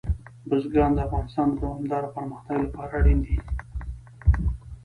بزګان د افغانستان د دوامداره پرمختګ لپاره اړین دي.